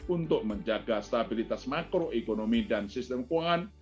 untuk menjaga stabilitas makroekonomi dan sistem keuangan